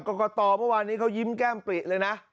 กรกตเมื่อวานนี้เขายิ้มแก้มปริเลยนะ